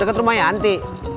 deket rumah yanti